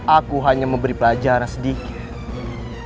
aku hanya memberi pelajaran sedikit